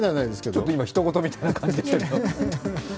ちょっと今、ひと事みたいな感じでしたけど。